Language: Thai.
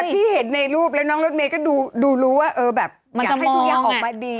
ที่เห็นในรูปแล้วน้องรถเมย์ก็ดูรู้ว่าเออแบบอยากให้ทุกอย่างออกมาดี